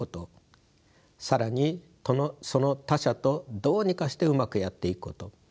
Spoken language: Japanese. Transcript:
更にその他者とどうにかしてうまくやっていくこと。